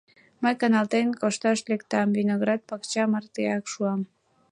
Мый каналтен кошташ лектам, виноград пакча мартеак шуам.